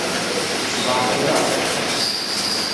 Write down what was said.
Sbeṛ kra.